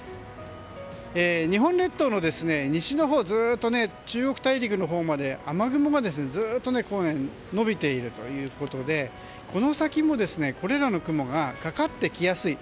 日本列島の西のほうからずっと中国大陸のほうまで雨雲がずっと延びているということでこの先もこれらの雲がかかってきやすい